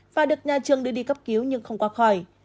và được nhà trường đưa đi cấp cứu nhưng không qua khỏi